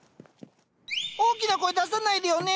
大きな声出さないでよね。